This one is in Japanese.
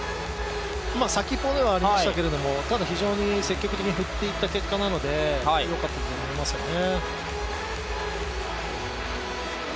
先っぽではありましたけど、ただ非常に積極的に振っていった結果なので、よかったというふうに思いますね。